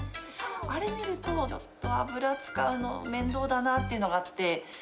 あれ見ると、ちょっと油使うの面倒だなっていうのがあって。